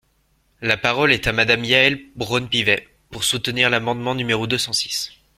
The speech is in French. La parole est à Madame Yaël Braun-Pivet, pour soutenir l’amendement numéro deux cent six.